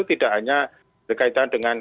tidak hanya berkaitan dengan